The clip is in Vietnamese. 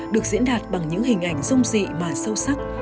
được diễn đạt bằng những hình ảnh rung dị mà sâu sắc